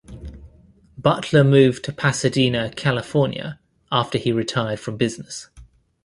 Butler moved to Pasadena, California after he retired from business.